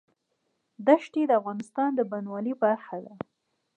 دښتې د افغانستان د بڼوالۍ برخه ده.